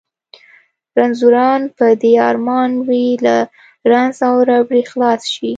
رنځوران په دې ارمان وي له رنځ او ربړې خلاص شي.